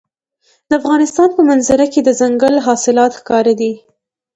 د افغانستان په منظره کې دځنګل حاصلات ښکاره دي.